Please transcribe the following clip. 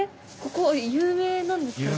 ここ有名なんですか？